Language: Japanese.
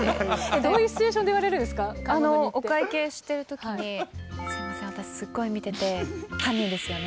どういうシチュエーションでお会計しているときに、すみません、私すっごい見てて、犯人ですよね？